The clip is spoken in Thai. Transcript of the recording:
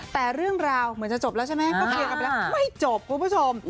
แต่เรื่องราวเหมือนจะจบแล้วใช่ไหมก็เคลียร์กันไปแล้วไม่จบคุณผู้ชม